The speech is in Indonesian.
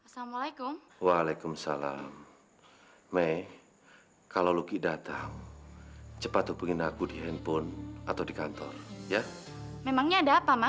sampai jumpa di video selanjutnya